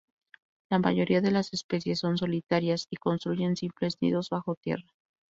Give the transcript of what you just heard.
La mayoría de las especies son solitarias y construyen simples nidos bajo tierra.